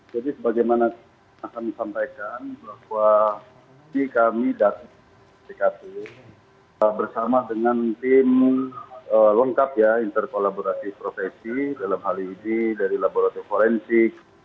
jadi bagaimana akan disampaikan bahwa kami dan dato' bersama dengan tim lengkap ya interkolaborasi prosesi dalam hal ini dari laboratorium forensik